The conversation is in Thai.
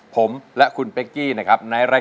แผ่นก็เอาไว้เลย